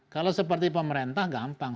kalau seperti pemerintah gampang